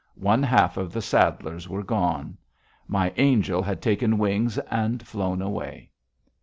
One half of the saddlers were gone; my Angel had taken wings and flown away.